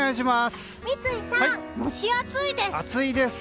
三井さん、蒸し暑いです！